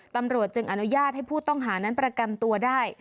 ตำรวจจึงอนุญาตให้ผู้ต้องหานั้นประกันตัวได้